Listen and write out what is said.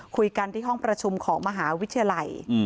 คุยกันที่ห้องประชุมของมหาวิทยาลัย